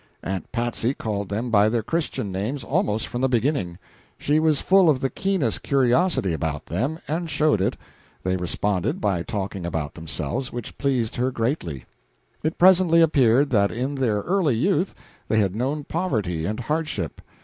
Aunt Patsy called them by their Christian names almost from the beginning. She was full of the keenest curiosity about them, and showed it; they responded by talking about themselves, which pleased her greatly. It presently appeared that in their early youth they had known poverty and hardship.